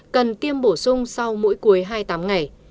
cần tiêm bổ sung sau mỗi cuối hai mươi tám ngày